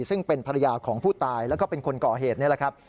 ซึ่งเป็นภรรยาของผู้ตายแล้วก็เป็นคนก่อเหตุนี่แหละครับ